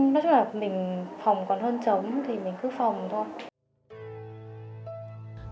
nói chung là mình phòng còn hơn chống thì mình cứ phòng thôi